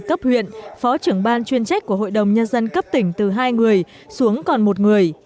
cấp huyện phó trưởng ban chuyên trách của hội đồng nhân dân cấp tỉnh từ hai người xuống còn một người